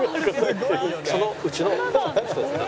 そのうちの一つ。